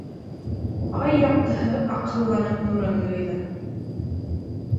Ай яҡтыһы аҡһылланып нурын юйҙы.